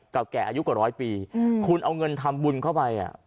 แก่อายุกว่าร้อยปีคุณเอาเงินทำบุญเข้าไป